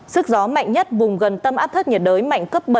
sức gió mạnh nhất vùng gần tâm áp thấp nhiệt đới mạnh cấp bảy